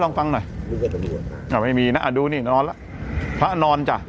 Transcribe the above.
ฟังหน่อยอ่าไม่มีนะดูนี่นอนแล้วพระนอนจ้ะ